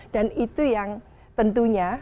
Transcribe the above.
dan itu yang tentunya